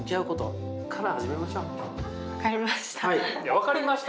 分かりました。